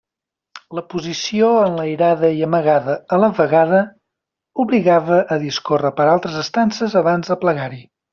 La posició enlairada i amagada a la vegada obligava a discórrer per altres estances abans d'aplegar-hi.